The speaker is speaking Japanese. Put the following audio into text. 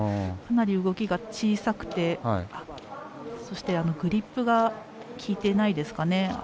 かなり動きが小さくてそして、グリップが利いていないですかね。